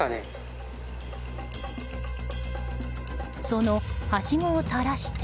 そのはしごを垂らして。